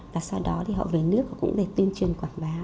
và sau đó thì họ về nước cũng để tuyên truyền quảng bá thay cho mình